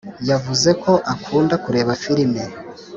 yavuze ko ukunda kureba firime.